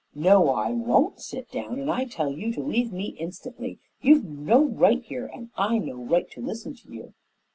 "No, I won't sit down, and I tell you to leave me instantly. You've no right here and I no right to listen to you."